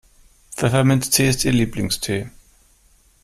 Pfefferminztee ist ihr Lieblingstee.